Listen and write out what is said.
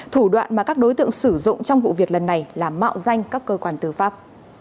thủ đoạn mà các đối tượng sử dụng trong vụ việc lần này là mạo danh các cơ quan tư pháp